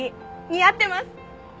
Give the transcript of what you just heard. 似合ってます！